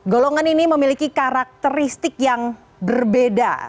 golongan ini memiliki karakteristik yang berbeda